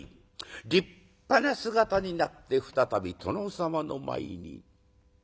立派な姿になって再び殿様の前に。